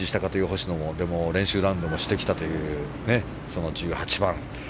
星野も練習ラウンドもしてきたというその１８番。